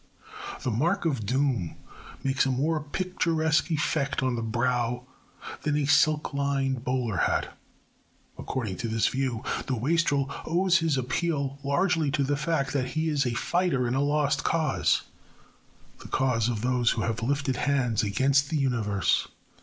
The mark of doom makes a more picturesque effect on the brow than a silk lined bowler hat. According to this view, the wastrel owes his appeal largely to the fact that he is a fighter in a lost cause the cause of those who have lifted hands against the universe.